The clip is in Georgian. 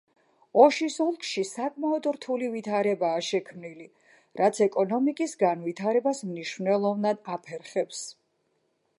ოშის ოლქში საკმაოდ რთული ვითარებაა შექმნილი, რაც ეკონომიკის განვითრებას მნიშვნელოვნად აფერხებს.